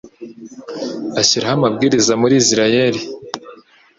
ashyiraho amabwiriza muri Israheli